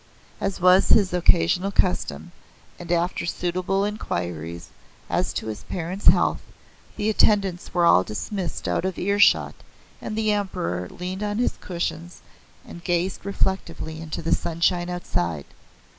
As was his occasional custom, and after suitable inquiries as to his parent's health, the attendants were all dismissed out of earshot and the Emperor leaned on his cushions and gazed reflectively into the sunshine outside.